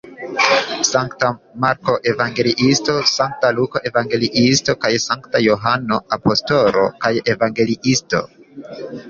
Sankta Marko evangeliisto, Sankta Luko evangeliisto kaj Sankta Johano apostolo kaj evangeliisto.